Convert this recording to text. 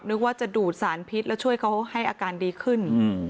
นึกว่าจะดูดสารพิษแล้วช่วยเขาให้อาการดีขึ้น